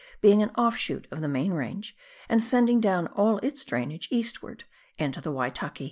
being an offshoot of the main range, and sending down all its drainage eastwards into the Waitaki.